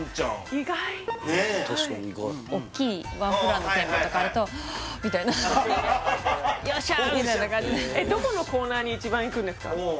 意外確かに意外おっきいワンフロアの店舗とかあるとわっみたいなよっしゃみたいな感じでどこのコーナーに一番行くんですか？